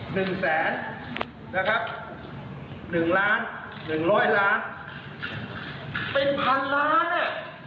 หนึ่งแสนนะครับหนึ่งล้านหนึ่งร้อยล้านเป็นพันล้านอ่ะ